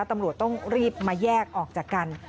ตำรวจต้องรีบมาแยกออกจากกัน